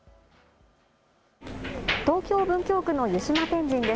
東京文京区の湯島天神です。